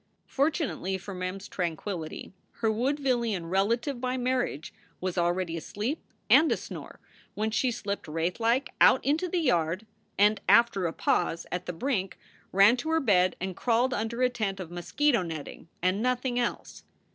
Fortunately for Mem s tranquillity, her Woodvillian relative by marriage was already asleep and asnore when she slipped wraithlike out into the yard and, after a pause SOULS FOR SALE in at the brink, ran to her bed and crawled under a tent of mosquito netting and nothing else.